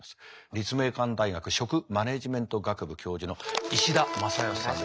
立命館大学食マネジメント学部教授の石田雅芳さんです。